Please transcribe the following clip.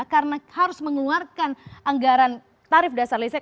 karena harus mengeluarkan anggaran tarif dasar listrik